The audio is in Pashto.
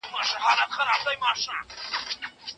فولکلور زموږ کلتوري شتمني ده.